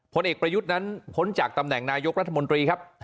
ผลเอกประยุทธ์นั้นพ้นจากตำแหน่งนายกรัฐมนตรีครับ